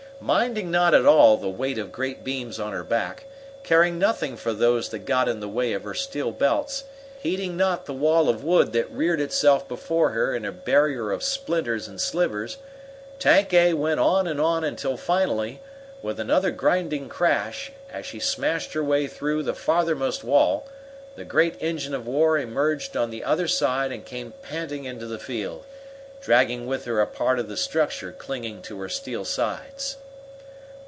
Minding not at all the weight of great beams on her back, caring nothing for those that got in the way of her steel belts, heeding not the wall of wood that reared itself before her in a barrier of splinters and slivers, Tank A went on and on until finally, with another grinding crash, as she smashed her way through the farthermost wall, the great engine of war emerged on the other side and came panting into the field, dragging with her a part of the structure clinging to her steel sides.